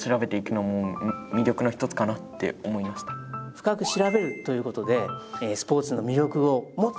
深く調べるということでスポーツの魅力を「もっと知りたいな」